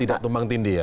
tidak tumpang tinggi ya